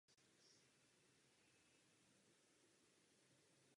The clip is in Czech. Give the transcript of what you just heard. Zároveň úspěšně působil v dánské televizi i rozhlase.